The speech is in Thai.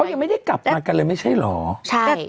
ยังไม่ได้กลับมากันเลยไม่ใช่เหรอ